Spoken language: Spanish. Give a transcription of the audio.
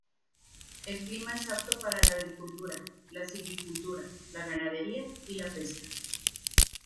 El clima es apto para la agricultura, la silvicultura, la ganadería y la pesca.